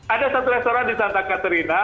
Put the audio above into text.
ada satu restoran di santa katerina